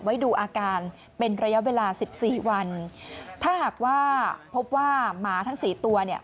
ไว้ดูอาการเป็นระยะเวลาสิบสี่วันถ้าหากว่าพบว่าหมาทั้งสี่ตัวเนี่ย